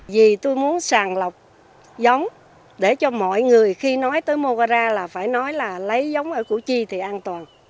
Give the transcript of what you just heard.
vì tôi muốn sàng lọc giống để cho mọi người khi nói tới mogar là phải nói là lấy giống ở củ chi thì an toàn